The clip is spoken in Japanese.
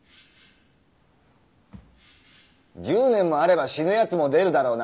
１０年もあれば死ぬヤツも出るだろうな。